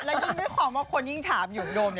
แล้วยิ่งด้วยความว่าคนยิ่งถามอยู่อุดม